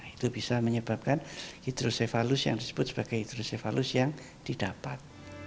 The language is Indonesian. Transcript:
itu bisa menyebabkan hidrosefalus yang disebut sebagai hidrosefalus yang didapat